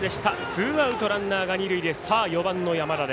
ツーアウト、ランナー、二塁で４番の山田。